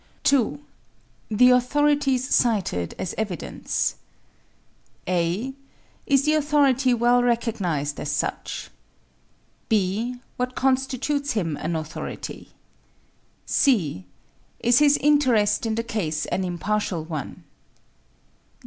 2. The authorities cited as evidence (a) Is the authority well recognized as such? (b) What constitutes him an authority? (c) Is his interest in the case an impartial one?